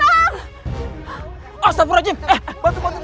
dan atas kelompok kelompokmu sudah mudik